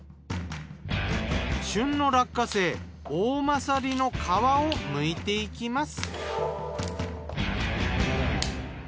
旬の落花生おおまさりの皮をむいていきます。